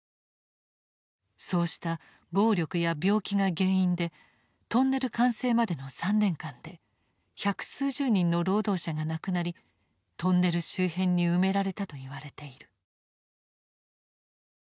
そうした暴力や病気が原因でトンネル完成までの３年間で百数十人の労働者が亡くなりトンネル周辺に埋められたといわれている。